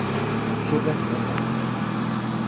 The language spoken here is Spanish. Sopla en ráfagas.